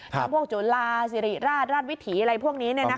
ทั้งพวกจุฬาซีรีส์ราชราชวิถีอะไรพวกนี้เนี่ยนะคะ